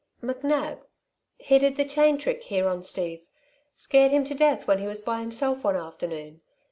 "McNab. He did the chain trick here on Steve scared him to death when he was by himself one afternoon.